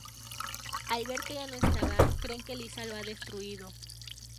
Al ver que ya no estaba, creen que Lisa lo ha destruido.